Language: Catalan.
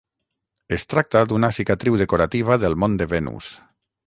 Es tracta d'una cicatriu decorativa del mont de Venus.